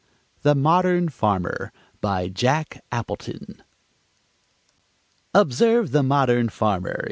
THE MODERN FARMER BY JACK APPLETON Observe the modern farmer!